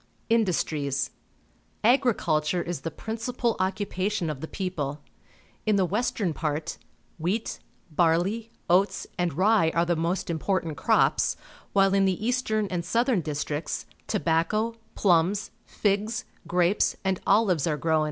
Industries. — Agriculture is the principal occupation of the people. In the western part, wheat, barley, oats, and rye are the most important crops, while in the eastern and southern districts, tobacco, plums, figs, grapes, and olives are grown.